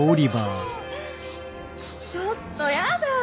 ちょっとやだ。